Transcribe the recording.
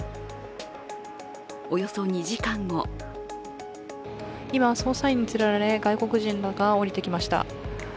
およそ２時間後今、捜査員に連れられ、外国人らが出てきました。